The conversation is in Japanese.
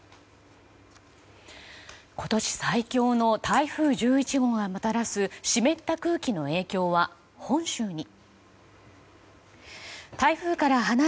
今年最強の台風１１号がもたらす湿った空気の影響は本州に。